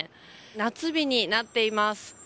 夏日になっています。